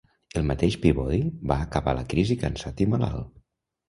El mateix Peabody va acabar la crisi cansat i malalt.